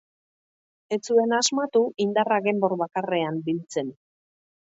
Ez zuen asmatu indarrak enbor bakarrean biltzen.